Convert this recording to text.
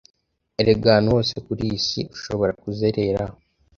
Erega ahantu hose kuri iyi si ushobora kuzerera